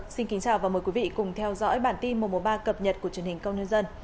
xin kính chào và mời quý vị cùng theo dõi bản tin một trăm một mươi ba cập nhật của truyền hình công nhân dân